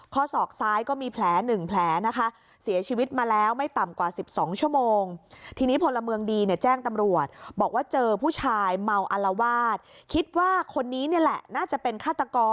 ข้อศอกซ้ายก็มีแผลหนึ่งแผลนะคะ